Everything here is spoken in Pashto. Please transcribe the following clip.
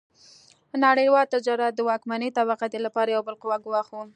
نړیوال تجارت د واکمنې طبقې لپاره یو بالقوه ګواښ و.